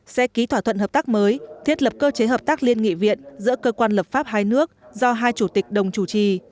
sẽ ký thỏa thuận hợp tác mới thiết lập cơ chế hợp tác liên nghị viện giữa cơ quan lập pháp hai nước do hai chủ tịch đồng chủ trì